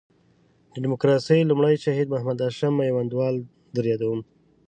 د ډیموکراسۍ لومړی شهید محمد هاشم میوندوال در یادوم.